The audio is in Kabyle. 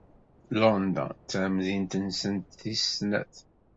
London d tamdint-nsent tis snat.